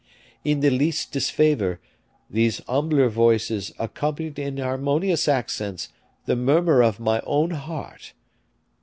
In the least disfavor, these humbler voices accompanied in harmonious accents the murmur of my own heart.